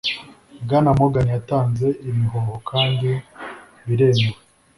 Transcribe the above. Bwana Morgan yatanze imihoho kandi biremewe